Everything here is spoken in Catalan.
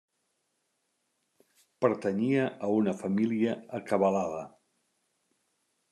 Pertanyia a una família acabalada.